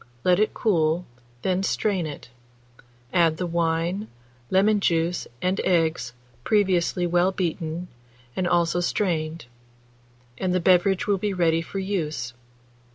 Let it cool, then strain it; add the wine, lemon juice, and eggs, previously well beaten, and also strained, and the beverage will be ready for use.